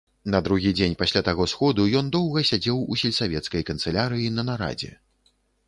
На другі дзень пасля таго сходу ён доўга сядзеў у сельсавецкай канцылярыі на нарадзе.